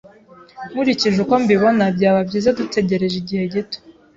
Nkurikije uko mbibona, byaba byiza dutegereje igihe gito.